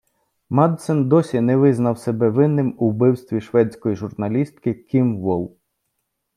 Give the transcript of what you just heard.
Мадсен досі не визнав себе винним у вбивстві шведської журналістки Кім Волл.